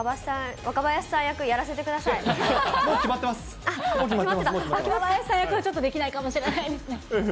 若林さん役はちょっとできないかもしれないですね。